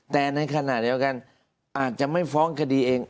แต่ในขณะเดียวกันอาจจะไม่ฟ้องคดีเอง